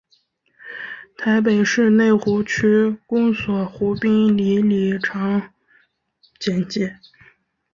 台北市内湖区公所湖滨里里长简介